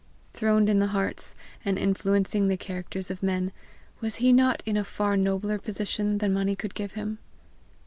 Throned in the hearts, and influencing the characters of men, was he not in a far nobler position than money could give him?